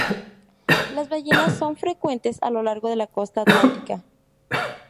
Las ballenas son frecuentes a lo largo de la costa atlántica.